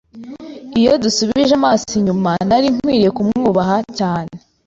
Iyo dusubije amaso inyuma, nari nkwiye kumwubaha cyane.